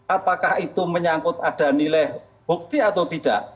apakah itu menyangkut ada nilai bukti atau tidak